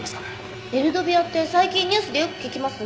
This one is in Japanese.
エルドビアって最近ニュースでよく聞きますね。